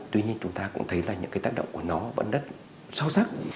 tuy nhiên chúng ta cũng thấy là những cái tác động của nó vẫn rất sâu sắc